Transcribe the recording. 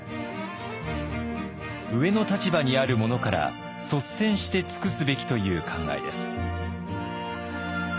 上の立場にある者から率先して尽くすべきという考えです。